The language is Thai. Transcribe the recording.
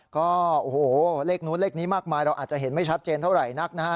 ก็โอ้โหเลขนู้นเลขนี้มากมายเราอาจจะเห็นไม่ชัดเจนเท่าไหร่นักนะฮะ